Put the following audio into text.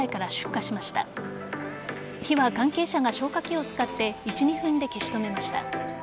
火は関係者が消火器を使って１２分で消し止めました。